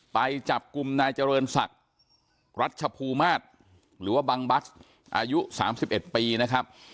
ไปจับกลุ่มนายเจริญศักดิ์รัชภูมิมาศหรือว่าบังบัสอายุ๓๑ปีนะครับ